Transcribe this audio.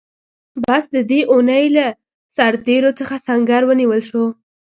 بس د دې اوونۍ له سرتېرو څخه سنګر ونیول شو.